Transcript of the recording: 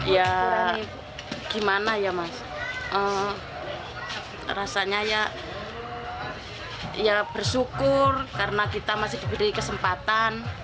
ya gimana ya mas rasanya ya bersyukur karena kita masih diberi kesempatan